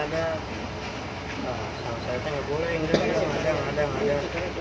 sama saya itu nggak boleh nggak ada nggak ada nggak ada